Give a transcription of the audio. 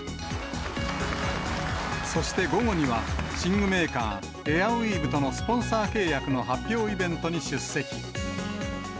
そして午後には、寝具メーカー、エアウィーヴとのスポンサー契約の発表イベントに出席。